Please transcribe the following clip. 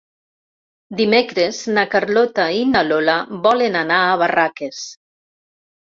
Dimecres na Carlota i na Lola volen anar a Barraques.